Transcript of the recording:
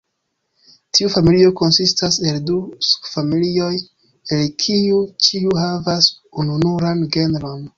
Tiu familio konsistas el du subfamilioj, el kiu ĉiu havas ununuran genron.